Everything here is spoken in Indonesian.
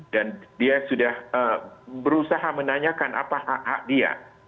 dan dia sudah berusaha menanyakan apa hak hak dia